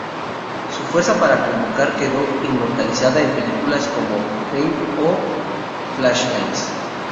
Su fuerza para convocar quedó inmortalizada en películas como Fame o Flashdance.